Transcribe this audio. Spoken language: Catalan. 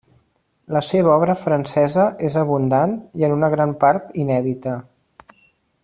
La seva obra francesa és abundant i en una gran part inèdita.